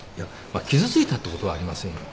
まあ傷ついたってことはありませんよ。